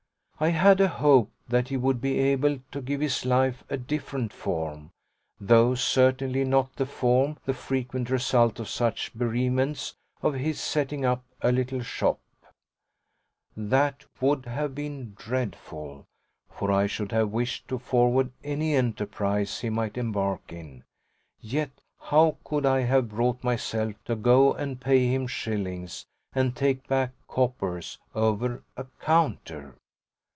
I had a hope that he would be able to give his life a different form though certainly not the form, the frequent result of such bereavements, of his setting up a little shop. That would have been dreadful; for I should have wished to forward any enterprise he might embark in, yet how could I have brought myself to go and pay him shillings and take back coppers, over a counter?